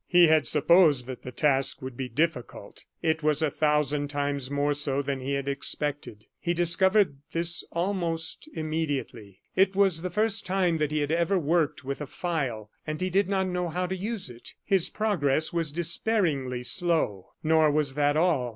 He had supposed that the task would be difficult. It was a thousand times more so than he had expected; he discovered this almost immediately. It was the first time that he had ever worked with a file, and he did not know how to use it. His progress was despairingly slow. Nor was that all.